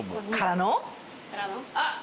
あっ！